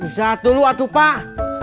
bisa dulu pak